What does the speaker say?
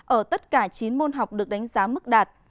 ở tất cả chín môn học được đánh giá mức đạt